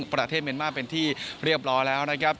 ประเทศเมียนมาร์เป็นที่เรียบร้อยแล้วนะครับ